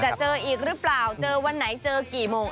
จะเจออีกหรือเปล่าเจอวันไหนเจอกี่โมง